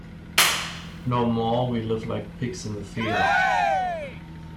No more we live like pigs in the field.